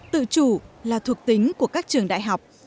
tự chủ là thuộc tính của các trường đại học